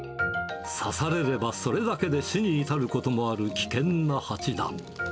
刺されればそれだけで死に至ることもある危険なハチだ。